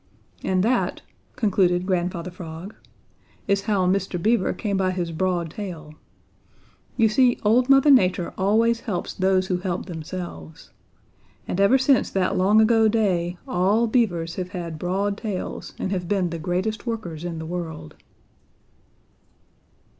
And that," concluded Grandfather Frog, "is how Mr. Beaver came by his broad tail. You see, Old Mother Nature always helps those who help themselves. And ever since that long ago day, all Beavers have had broad tails, and have been the greatest workers in the world."